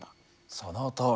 そのとおり。